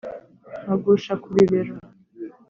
nkagusha ku bibero